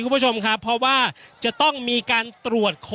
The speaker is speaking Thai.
อย่างที่บอกไปว่าเรายังยึดในเรื่องของข้อ